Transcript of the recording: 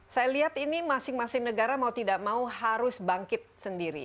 saya lihat ini masing masing negara mau tidak mau harus bangkit sendiri